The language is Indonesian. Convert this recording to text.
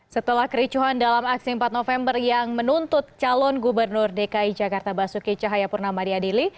setelah kericuhan dalam aksi empat november yang menuntut calon gubernur dki jakarta basuki cahayapurnama diadili